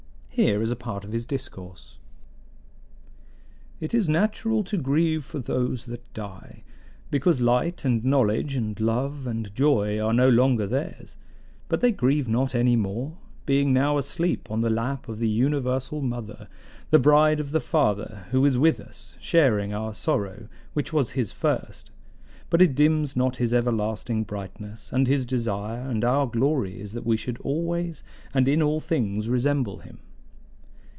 Here is a part of his discourse: "It is natural to grieve for those that die, because light and knowledge and love and joy are no longer theirs; but they grieve not any more, being now asleep on the lap of the Universal Mother, the bride of the Father, who is with us, sharing our sorrow, which was his first; but it dims not his everlasting brightness; and his desire and our glory is that we should always and in all things resemble him.